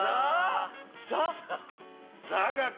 ザ⁉